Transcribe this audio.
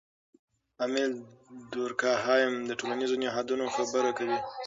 امیل دورکهایم د ټولنیزو نهادونو خبره کوي.